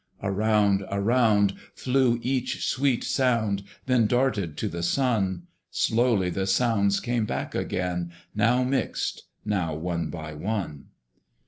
Around, around, flew each sweet sound, Then darted to the Sun; Slowly the sounds came back again, Now mixed, now one by one.